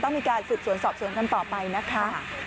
ต้องมีการสืบสวนสอบสวนกันต่อไปนะคะ